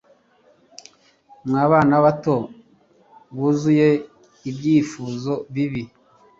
Mwa bana bato buzuye ibyifuzo bibi